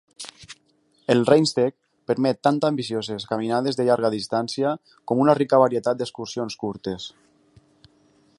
El Rheinsteig permet tant ambicioses caminades de llarga distància com una rica varietat d'excursions curtes.